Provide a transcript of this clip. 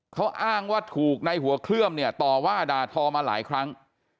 เขาอ้างว่าถูกในหัวเคลือมเนี่ยต่อว่าด่าทอมาหลายครั้ง